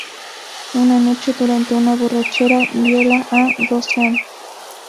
Una noche, durante una borrachera, viola a Roseanne.